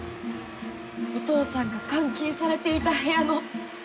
お父さんが監禁されていた部屋の壁。